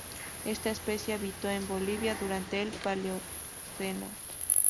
Esta especie habitó en Bolivia durante el Paleoceno.